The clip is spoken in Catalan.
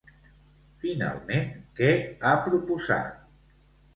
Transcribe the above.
Finalment, què ha proposat?